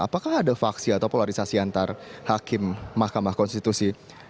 apakah ada faksi atau polarisasi antar hakim mahkamah konstitusi